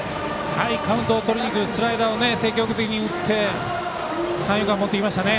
カウントをとりにくるスライダーを積極的に打って三遊間、持っていきましたね。